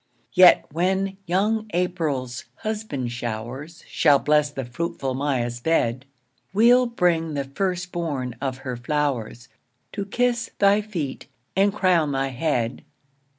Yet when young April's husband showers Shall bless the fruitful Maia's bed, We'll bring the first born of her flowers, To kiss thy feet, and crown thy head.